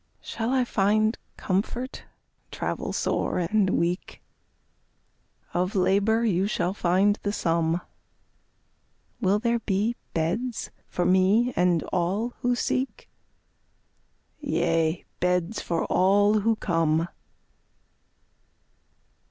Shall I find comfort, travel sore and weak? Of labor you shall find the sum. Will there be beds for me and all who seek? Yea, beds for all who come.